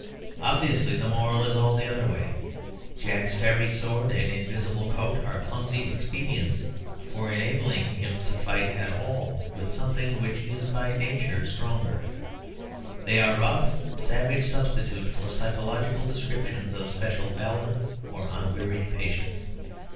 Obviously the moral is all the other way. Jack's fairy sword and invisible coat are clumsy expedients for enabling him to fight at all with something which is by nature stronger. They are a rough, savage substitute for psychological descriptions of special valour or unwearied patience.